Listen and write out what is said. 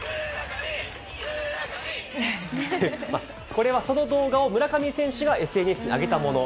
これはその動画を村上選手がＳＮＳに上げたもの。